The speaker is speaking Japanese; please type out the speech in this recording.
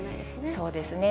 そうですね。